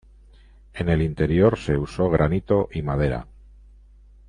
En el interior se usó granito y madera.